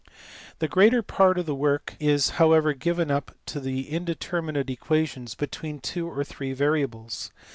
The greater part of the work is however given up to in determinate equations between two or three variables.